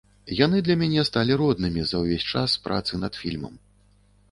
Яны для мяне сталі роднымі за ўвесь час працы над фільмам.